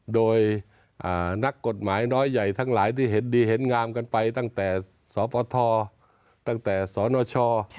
โดยนักกฎหมายน้อยใหญ่ทั้งหลายที่เห็นดีเห็นงามกันไปตั้งแต่สปทตั้งแต่สนช